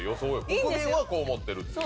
国民はこう思ってるっていう。